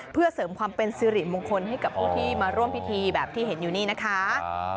เพื่อเสริมความเป็นสิริมงคลให้กับผู้ที่มาร่วมพิธีแบบที่เห็นอยู่นี่นะคะ